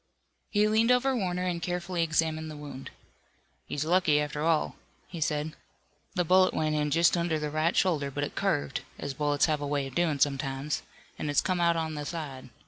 He leaned over Warner and carefully examined the wound. "He's lucky, after all," he said, "the bullet went in just under the right shoulder, but it curved, as bullets have a way of doin' sometimes, an' has come out on the side.